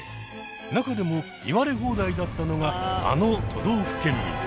なかでも言われ放題だったのがあの都道府県民。